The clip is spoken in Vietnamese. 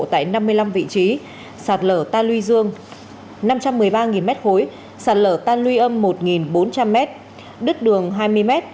tại năm mươi năm vị trí sạt lở ta luy dương năm trăm một mươi ba m ba sạt lở tan luy âm một bốn trăm linh m đứt đường hai mươi m